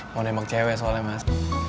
mau nembak cewek soalnya mas